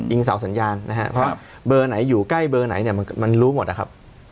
เสาสัญญาณนะครับเพราะว่าเบอร์ไหนอยู่ใกล้เบอร์ไหนเนี่ยมันรู้หมดนะครับ